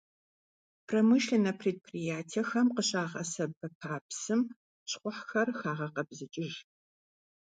Промышленнэ предприятэхэм къыщагъэсэбэпа псым щхъухьхэр хагъэкъэбзыкӀыж.